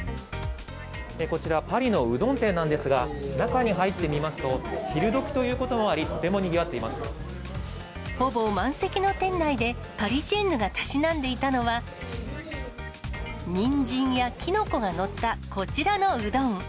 こちら、パリのうどん店なんですが、中に入ってみますと、昼どきということもあり、ほぼ満席の店内で、パリジェンヌがたしなんでいたのは、にんじんやきのこが載った、こちらのうどん。